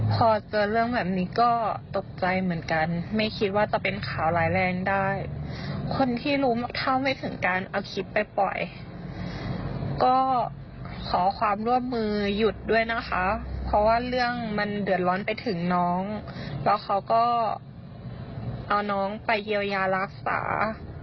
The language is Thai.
พอเจอเรื่องแบบนี้ก็ตกใจเหมือนกันไม่คิดว่าจะเป็นข่าวร้ายแรงได้คนที่รู้เท่าไม่ถึงการเอาคลิปไปปล่อยก็ขอความร่วมมือหยุดด้วยนะคะเพราะว่าเรื่องมันเดือดร้อนไปถึงน้องแล้วเขาก็เอาน้องไปเยียวยารักษา